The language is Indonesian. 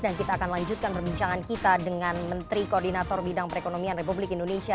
dan kita akan lanjutkan perbincangan kita dengan menteri koordinator bidang perekonomian republik indonesia